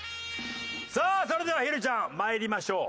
さあそれではひるちゃんまいりましょう。